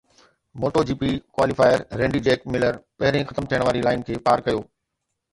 MotoGP qualifier Randy Jack Miller پهرين ختم ٿيڻ واري لائن کي پار ڪيو